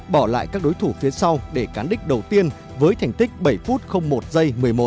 bỏ lại các đối thủ phía sau để cán đích đầu tiên với thành tích bảy phút một giây một một mươi một